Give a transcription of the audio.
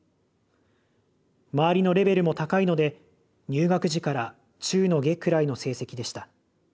周りのレベルも高いので入学時から中の下くらいの成績でした。